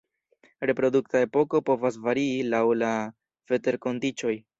Reprodukta epoko povas varii laŭ la veterkondiĉoj.